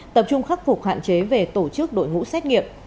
tập trung khắc phục hạn chế về tổ chức đội ngũ xét nghiệm